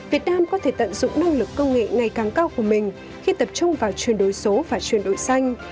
việt nam có thể tận dụng năng lực công nghệ ngày càng cao của mình khi tập trung vào chuyển đổi số và chuyển đổi xanh